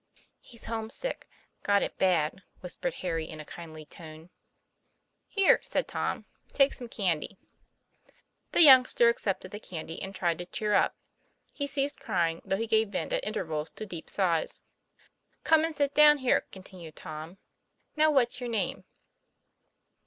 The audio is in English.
'He's homesick got it bad," whispered Harry in a kindly tone. 'Here," said Tom; "take some candy." The youngster accepted the candy, and tried to TOM PLAYFAIR. 59 cheer up; he ceased crying, though he gave vent at intervals to deep sighs. ;< Come and sit down here," continued Tom. 'Now, what's your name?"